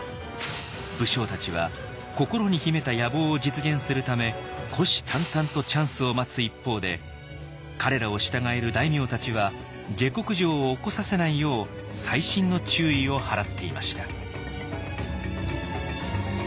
武将たちは心に秘めた野望を実現するため虎視眈々とチャンスを待つ一方で彼らを従える大名たちは下剋上を起こさせないよう細心の注意を払っていました。